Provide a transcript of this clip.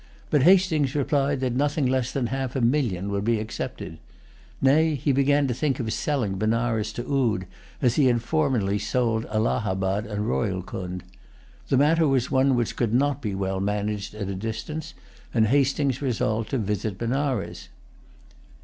But Hastings replied that nothing less than half a million would be accepted. Nay, he began to think of selling Benares to Oude, as he had formerly sold Allahabad and Rohilcund. The matter was one which could not be well managed at a distance; and Hastings resolved to visit Benares.